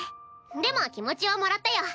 でも気持ちはもらったよ。